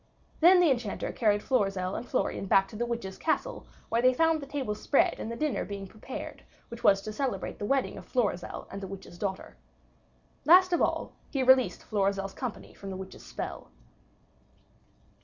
Then the Enchanter carried Florizel and Florian back to the witch's castle, where they found the tables spread and the dinner being prepared which was to celebrate the wedding of Florizel and the witch's daughter. Last of all, he released Florizel's company from the witch's spell.